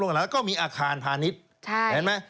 ๓โรงหนังก็มีอาคารพาณิชย์